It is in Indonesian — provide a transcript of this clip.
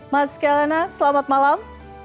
mas klena selamat malam